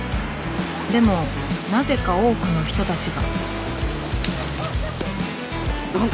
でもなぜか多くの人たちが。